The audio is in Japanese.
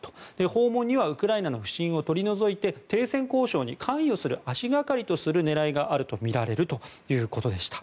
訪問にはウクライナの不信を取り除いて停戦交渉に関与する足掛かりとする狙いがあるとみられるということです。